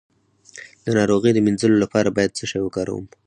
د ناروغۍ د مینځلو لپاره باید څه شی وکاروم؟